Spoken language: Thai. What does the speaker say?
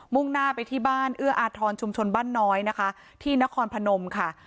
่งหน้าไปที่บ้านเอื้ออาทรชุมชนบ้านน้อยนะคะที่นครพนมค่ะ